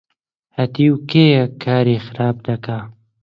هەتیو کێیە کاری خراپ دەکا؟